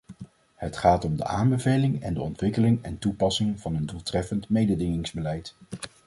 Het gaat om de aanbeveling en de ontwikkeling en toepassing van een doeltreffend mededingingsbeleid.